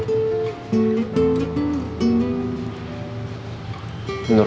menurut saya sih gak ada